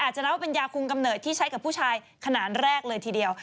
จะนับว่าเป็นยาคุมกำเนิดที่ใช้กับผู้ชายขนาดแรกเลยทีเดียว